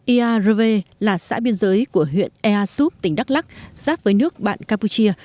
iarve là xã biên giới của huyện easup tỉnh đắk lắc sát với nước bạn campuchia